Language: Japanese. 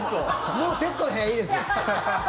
もう「徹子の部屋」いいですよ。